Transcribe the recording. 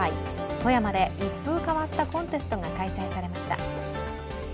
富山で一風変わったコンテストが開催されました。